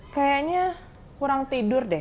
kayaknya kurang tidur deh